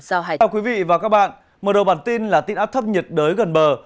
xin chào quý vị và các bạn mở đầu bản tin là tin áp thấp nhiệt đới gần bờ